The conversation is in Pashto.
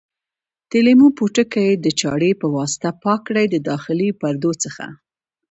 د لیمو پوټکي د چاړې په واسطه پاک کړئ د داخلي پردو څخه.